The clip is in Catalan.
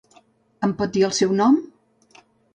Em pot dir el seu nom?